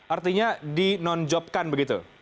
artinya dinonjokkan begitu